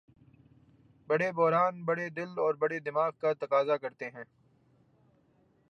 بڑے بحران بڑے دل اور بڑے دماغ کا تقاضا کرتے ہیں۔